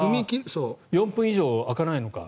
４分以上開かないのか。